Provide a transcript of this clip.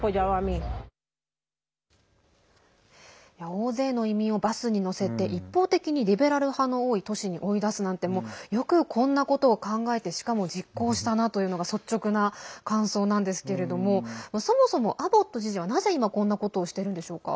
大勢の移民をバスに乗せて一方的にリベラル派の多い都市に追い出すなんてよくこんなことを考えてしかも実行したなというのが率直な感想なんですけれどもそもそも、アボット知事はなぜ今こんなことをしてるんでしょうか。